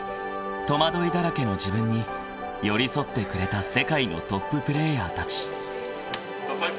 戸惑いだらけの自分に寄り添ってくれた世界のトッププレーヤーたち］